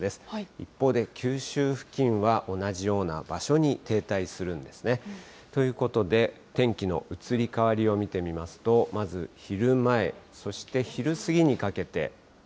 一方で、九州付近は同じような場所に停滞するんですね。ということで、天気の移り変わりを見てみますと、まず昼前、そして昼過ぎにかけて。